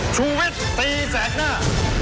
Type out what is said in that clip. ชุวิตตีแสดหน้า